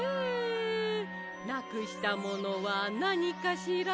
なくしたものはなにかしら？